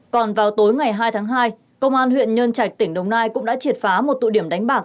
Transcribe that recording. còn vào tối ngày hai tháng hai công an huyện nhân trạch tỉnh đồng nai cũng đã triệt phá một tụ điểm đánh bạc